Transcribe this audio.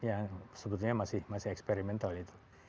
yang sebetulnya masih eksperimental itu